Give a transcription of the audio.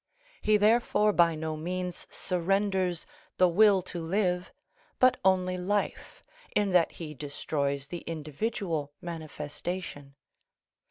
He therefore by no means surrenders the will to live, but only life, in that he destroys the individual manifestation.